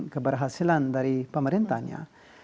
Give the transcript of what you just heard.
keberhasilan dari pemerintahnya